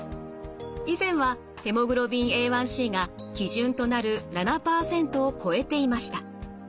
以前はヘモグロビンＡ１ｃが基準となる７％を超えていました。